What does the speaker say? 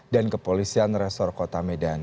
dan kepolisian resor kota medan